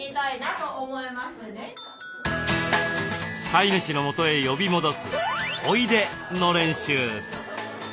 飼い主の元へ呼び戻す「おいで」の練習。